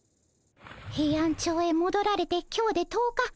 ヘイアンチョウへもどられて今日で１０日。